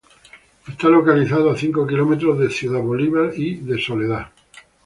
Está localizado a cinco kilómetros de Ciudad Bolívar y de Soledad.